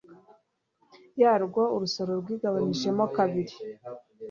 yarwo urusoro rwigabanyijemo kabiri